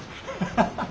ハハハ。